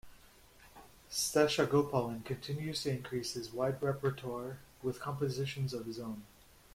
Seshagopalan continues to increase his wide repertoire with compositions of his own.